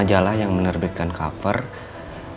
majalah yang menerbitkan cover dan juga penyelidikan